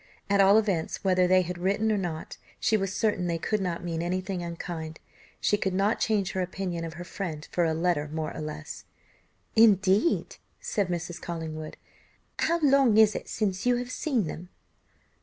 At all events, whether they had written or not, she was certain they could not mean anything unkind; she could not change her opinion of her friend for a letter more or less. "Indeed!" said Mrs. Collingwood, "how long is it since you have seen them?"